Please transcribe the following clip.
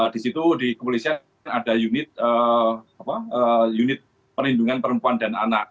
di situ di kepolisian ada unit perlindungan perempuan dan anak